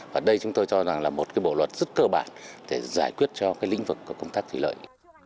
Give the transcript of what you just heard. và đây chúng tôi cho rằng là một bộ luật rất cơ bản để giải quyết cho cái lĩnh vực của công tác thủy lợi